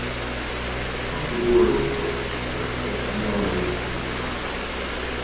Auch die hohe Luftfeuchtigkeit könnte eine Rolle gespielt haben.